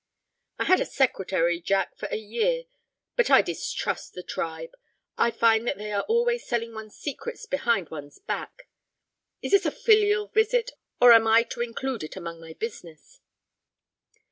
"I had a secretary, Jack, for a year, but I distrust the tribe. I find that they are always selling one's secrets behind one's back. Is this a filial visit, or am I to include it among my business?"